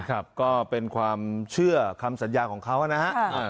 ก็เป็นความเชื่อคำสัญญาของเขานะฮะ